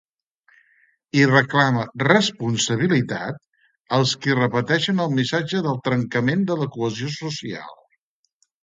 I reclama ‘responsabilitat’, als qui repeteixen el missatge del trencament de la cohesió social.